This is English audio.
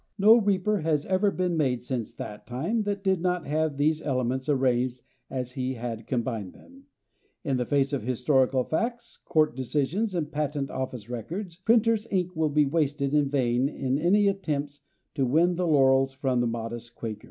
No reaper has ever been made since that time that did not have these elements arranged as he had combined them. In the face of historical facts, court decisions and patent office records, printer's ink will be wasted in vain in any attempts to win the laurels from the modest Quaker.